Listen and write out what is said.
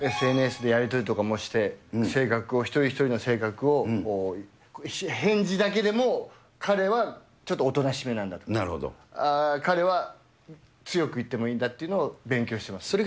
ＳＮＳでやり取りとかもして、性格を、一人一人の性格を、返事だけでも彼はちょっとおとなしめなんだと、彼は強くいってもいいんだっていうのを勉強しています。